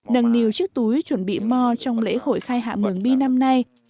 nâng niu chiếc túi chuẩn bị mò trong lễ hội khai hạ mường bi năm nay